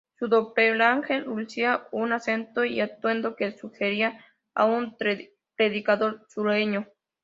Su doppelgänger lucía un acento y atuendo que sugería a un predicador sureño.